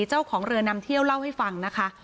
เจ้าของเรือนำเที่ยวเล่าให้ฟังนะคะ